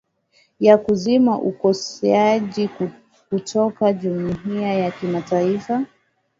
ya kuzima ukosoaji kutoka jumuiya ya kimataifa